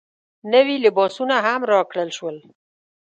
نوي لباسونه هم راکړل شول.